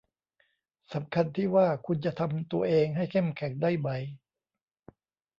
สำคัญที่ว่าคุณจะทำตัวเองให้เข้มแข็งได้ไหม